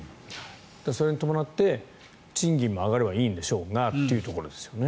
それに伴って賃金も上がればいいんでしょうがというところですね。